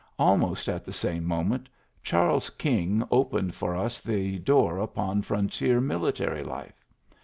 Almost at the same moment Charles King opened for us the door upon frontier military life.